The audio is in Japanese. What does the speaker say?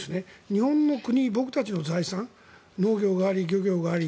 日本の国、僕たちの財産農業があり漁業があり。